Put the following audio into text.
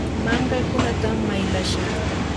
mankakunatam maylashaa.